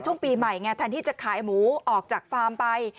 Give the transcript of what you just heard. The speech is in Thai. ช่วงปีใหม่ไงแทนที่จะขายหมูออกจากฟาร์มไป